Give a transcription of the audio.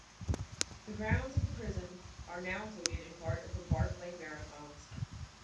The grounds of the prison are now included in part of the Barkley Marathons.